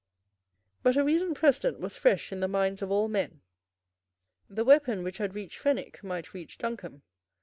But a recent precedent was fresh in the minds of all men. The weapon which had reached Fenwick might reach Duncombe.